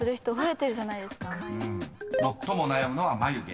［最も悩むのは眉毛。